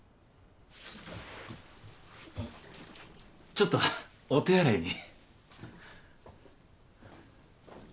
ちょっとお手洗いに。